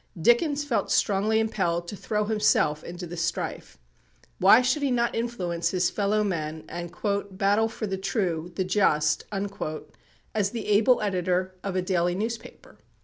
Dickens felt strongly impelled to throw himself into the strife. Why should he not influence his fellow men, and "battle for the true, the just," as the able editor of a daily newspaper?